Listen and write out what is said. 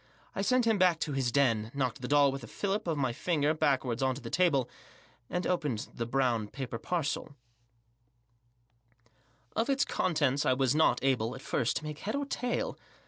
I sent him back to his den; knocked the doll with a fillip of my finger backwards on to the table ; opened the brown paper parcel, Digitized by THE JOSS. Of its contents I was not able, at first, to make head or tail.